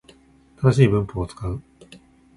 正しい文法を使う